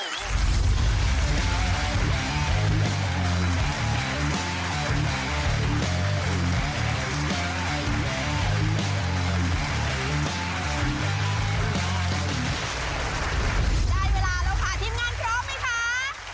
ได้เวลาแล้วค่ะทีมงานพร้อมไหมคะ